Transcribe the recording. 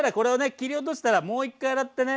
切り落としたらもう一回洗ってね